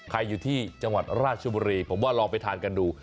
อยู่ที่จังหวัดราชบุรีผมว่าลองไปทานกันดู